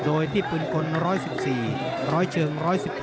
โดยที่ปืนกล๑๑๔ร้อยเชิง๑๑๗